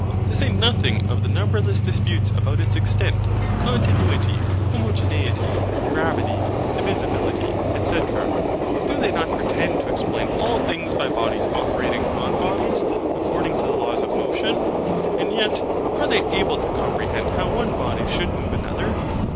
To say nothing of the numberless disputes about its extent, continuity, homogeneity, gravity, divisibility, &c. do they not pretend to explain all things by bodies operating on bodies, according to the laws of motion? and yet, are they able to comprehend how one body should move another?